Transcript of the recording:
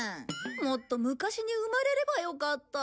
もっと昔に生まれればよかった。